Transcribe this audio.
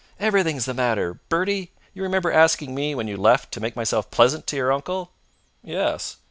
"Everything's the matter! Bertie, you remember asking me, when you left, to make myself pleasant to your uncle?" "Yes."